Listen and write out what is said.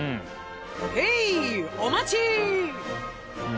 へいお待ち！